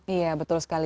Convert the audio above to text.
iya betul sekali